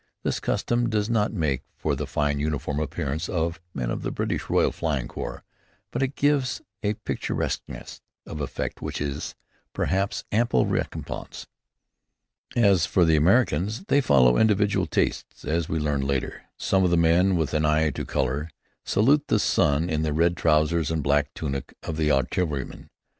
This custom does not make for the fine uniform appearance of the men of the British Royal Flying Corps, but it gives a picturesqueness of effect which is, perhaps, ample recompense. As for the Americans, they follow individual tastes, as we learned later. Some of them, with an eye to color, salute the sun in the red trousers and black tunic of the artilleryman.